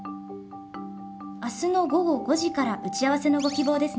明日の午後５時から打ち合わせのご希望ですね。